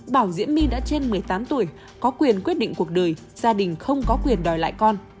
bảo diễm my đã trên một mươi tám tuổi có quyền quyết định cuộc đời gia đình không có quyền đòi lại con